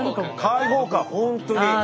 開放感ほんとに。